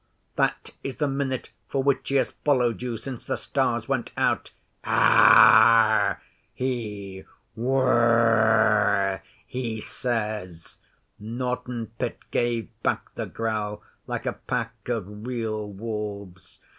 That is the minute for which he has followed you since the stars went out. "Aarh!" he "Wurr aarh!" he says.' (Norton Pit gave back the growl like a pack of real wolves.)